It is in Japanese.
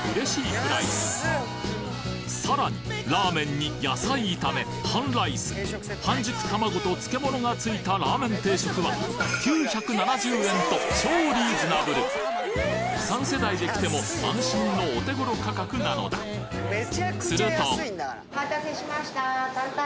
プライスさらにラーメンに野菜炒め半ライス半熟たまごと漬け物が付いたラーメン定食は９７０円と超リーズナブル三世代で来ても安心のお手頃価格なのだするとお待たせしました。